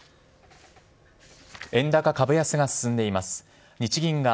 円高株安が進んでいます。